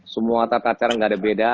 semua tata cara nggak ada beda